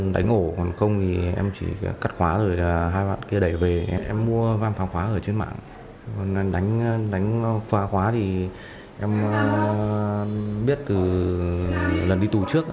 đánh phá khóa thì em biết từ lần đi tù trước